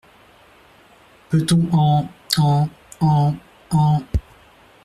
Peut-on en … en … en … en …